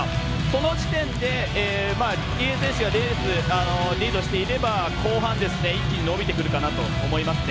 その時点で池江選手がリードしていれば後半、一気に伸びてくるかなと思います。